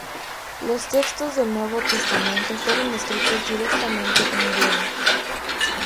Los textos del Nuevo Testamento fueron escritos directamente en griego.